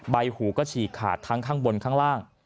ใบหูก็ฉีกขาดทั้งข้างบนข้างล่าง